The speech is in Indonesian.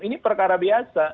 ini perkara biasa